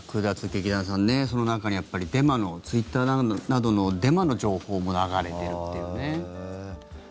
劇団さんその中にはやっぱりツイッターなどのデマの情報も流れてるっていうね。